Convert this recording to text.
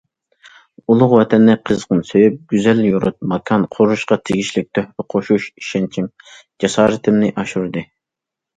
ئۇلۇغ ۋەتەننى قىزغىن سۆيۈپ، گۈزەل يۇرت ماكان قۇرۇشقا تېگىشلىك تۆھپە قوشۇش ئىشەنچىم، جاسارىتىمنى ئاشۇردى.